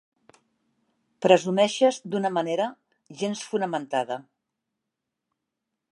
Presumeixes d'una manera gens fonamentada.